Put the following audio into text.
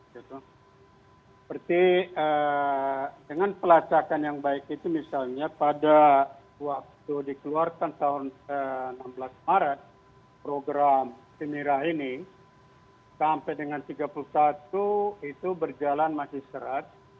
seperti dengan pelacakan yang baik itu misalnya pada waktu dikeluarkan tahun enam belas maret program si mira ini sampai dengan tiga puluh satu itu berjalan masih serat